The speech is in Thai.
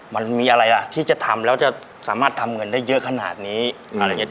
มันมีอะไรล่ะที่จะทำแล้วจะสามารถทำเงินได้เยอะขนาดนี้อะไรอย่างนี้